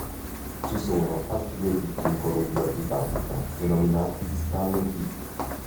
Ci sono altri due picchi in Columbia Britannica denominati "Stanley Peak".